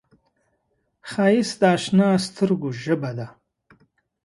ښایست د اشنا سترګو ژبه ده